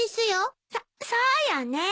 そそうよね。